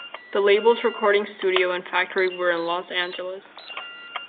The label's recording studio and factory were in Los Angeles.